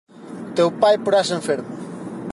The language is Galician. O teu pai porase enfermo